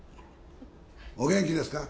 お元気ですか？